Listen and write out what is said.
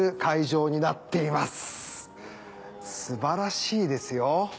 素晴らしいですよ。